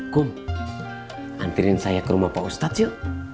kung anterin saya ke rumah pak ustadz yuk